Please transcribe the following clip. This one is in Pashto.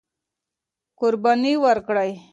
قرباني ورکړئ.